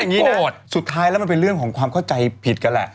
อย่างนี้หมดสุดท้ายแล้วมันเป็นเรื่องของความเข้าใจผิดกันแหละ